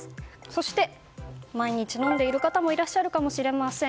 そして、毎日飲んでいる方もいらっしゃるかもしれません。